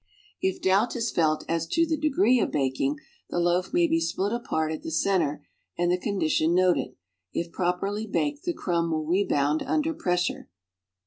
If doubt is felt as to the degree of baking, the loaf may be split apart at the center and the condition noted; if iiroperly baked, the crumb will rebound under pressure.